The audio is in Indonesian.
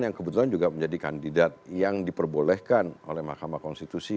yang kebetulan juga menjadi kandidat yang diperbolehkan oleh mahkamah konstitusi